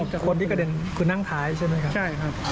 แต่คนที่กระเด็นคือนั่งท้ายใช่ไหมครับใช่ครับ